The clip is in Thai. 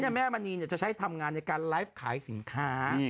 แม่มณีจะใช้ทำงานในการไลฟ์ขายสินค้า